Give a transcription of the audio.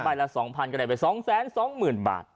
ใบละ๒๐๐๐ก็ได้ไป๒แสน๒หมื่นบาท